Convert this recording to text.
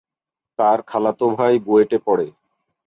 তার খালাতো ভাই বুয়েটে পড়ে।